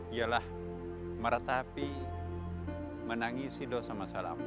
ialah meratapi menangisi dosa masa lampau